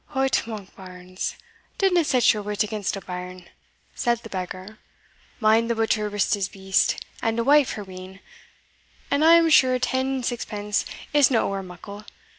"Hout Monkbarns! dinna set your wit against a bairn," said the beggar; "mind the butcher risked his beast, and the wife her wean, and I am sure ten and sixpence isna ower muckle.